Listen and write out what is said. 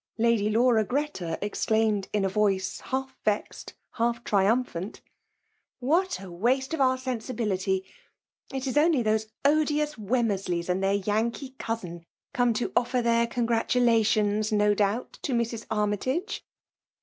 Lady Laura Greta exclaimed in a voice half vexed, half triumphant —'' What a waste of our sensibility !— It is only those odious Wemmersleys and their Yankee cousin, come to offer their congratulations, no doubt, to Mrs. Armytage